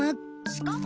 しかも！